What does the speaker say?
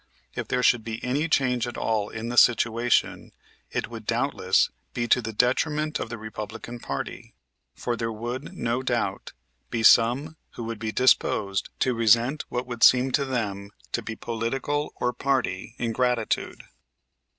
If there should be any change at all in the situation it would doubtless be to the detriment of the Republican party; for there would, no doubt, be some who would be disposed to resent what would seem to them to be political or party ingratitude.